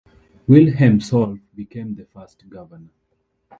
Wilhelm Solf became the first governor.